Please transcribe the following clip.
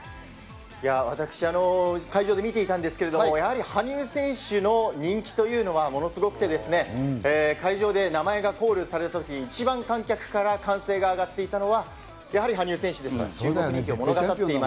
私、会場で見ていたんですけれども、やはり羽生選手の人気というのは、ものすごくてですね、会場で名前がコールされた時、一番観客から歓声が上がっていたのは、やはり羽生選手でした。